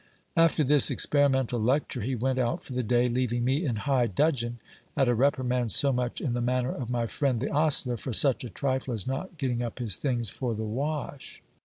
After this experimental lecture, he went out for the day, leaving me in high dudgeon, at a reprimand so much in the manner of my friend the ostler, for such a trifle as not getting up his things for the wash.